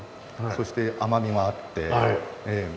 そして甘みもあって。